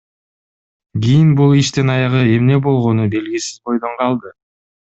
Кийин бул иштин аягы эмне болгону белгисиз бойдон калды.